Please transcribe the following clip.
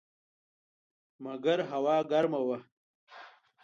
مګر هوا ګرمه وه.